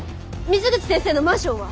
水口先生のマンションは？